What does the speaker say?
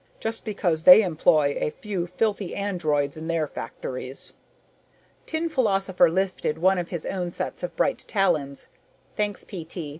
Just because they employ a few filthy androids in their factories!" Tin Philosopher lifted one of his own sets of bright talons. "Thanks, P.T.